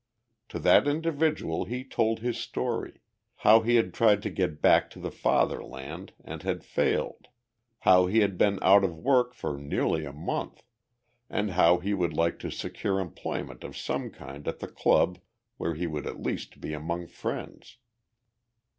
To that individual he told his story how he had tried to get back to the Fatherland and had failed, how he had been out of work for nearly a month, and how he would like to secure employment of some kind at the Club where he would at least be among friends.